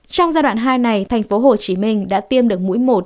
trong giai đoạn hai này tp hcm đã tiêm được mũi một